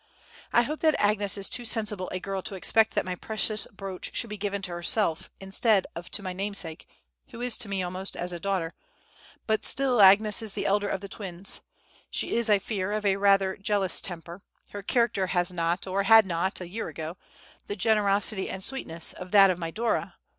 "I hope that Agnes is too sensible a girl to expect that my precious brooch should be given to herself instead of to my namesake, who is to me almost as a daughter; but still Agnes is the elder of the twins; she is, I fear, of rather a jealous temper; her character has not—or had not a year ago—the generosity and sweetness of that of my Dora.